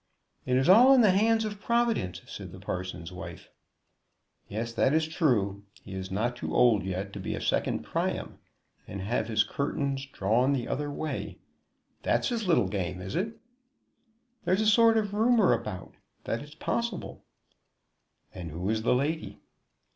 "It is all in the hands of Providence," said the parson's wife. "Yes; that is true. He is not too old yet to be a second Priam, and have his curtains drawn the other way. That's his little game, is it?" "There's a sort of rumor about, that it is possible." "And who is the lady?"